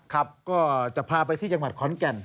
ครับก็จะพาไปที่จังหวัดขอนแก่น